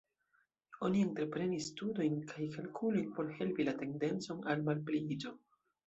Oni entreprenis studojn kaj kalkulojn por helpi la tendencon al malpliiĝo.